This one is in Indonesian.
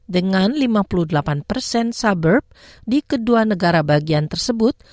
dengan lima puluh delapan suburb di kedua negara bagian tersebut